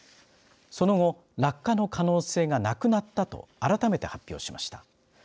その後落下の可能性がなくなったと改めて発表しました。